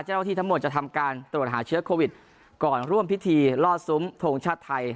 เจ้าหน้าที่ทั้งหมดจะทำการตรวจหาเชื้อโควิดก่อนร่วมพิธีลอดซุ้มทงชาติไทย